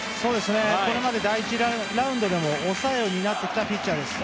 これまで１次ラウンドでも抑えを担っていたピッチャーです。